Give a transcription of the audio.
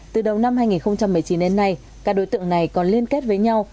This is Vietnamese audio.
từ đầu năm hai nghìn một mươi chín đến nay các đối tượng này còn liên kết với nhau